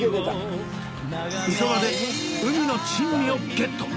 磯場で海の珍味をゲット！